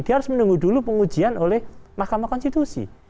dia harus menunggu dulu pengujian oleh mahkamah konstitusi